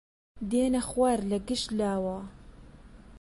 دێنە خوار لە گشت لاوە